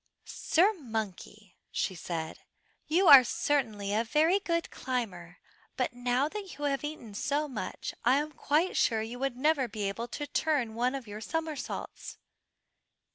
"Sir Monkey," she said, "you are certainly a very good climber, but now that you have eaten so much, I am quite sure you would never be able to turn one of your somersaults."